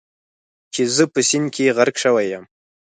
چې زه په سیند کې غرق شوی یم.